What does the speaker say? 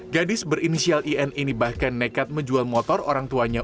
gadis berinisial in ini bahkan nekat menjual motor orang tuanya